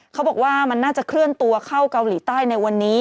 เขาบอกว่ามันน่าจะเคลื่อนตัวเข้าเกาหลีใต้ในวันนี้